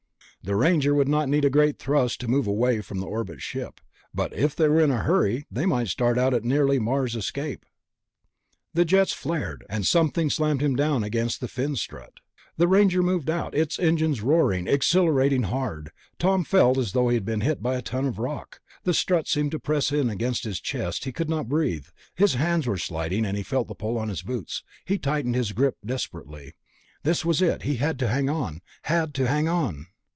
The Ranger would not need a great thrust to move away from the orbit ship ... but if they were in a hurry, they might start out at nearly Mars escape.... The jets flared, and something slammed him down against the fin strut. The Ranger moved out, its engines roaring, accellerating hard. Tom felt as though he had been hit by a ton of rock. The strut seemed to press in against his chest; he could not breathe. His hands were sliding, and he felt the pull on his boots. He tightened his grip desperately. This was it. He had to hang on, had to hang on....